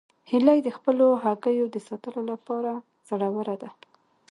هیلۍ د خپلو هګیو د ساتلو لپاره زړوره ده